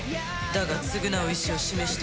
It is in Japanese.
だが償う意思を示した。